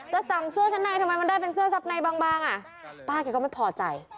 สั่งเสื้อชั้นในทำไมมันได้เป็นเสื้อซับในบางอ่ะป้าแกก็ไม่พอใจ